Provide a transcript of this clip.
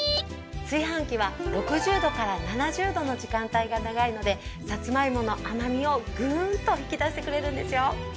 炊飯器は６０度から７０度の時間帯が長いのでサツマイモの甘みをぐんと引き出してくれるんですよ。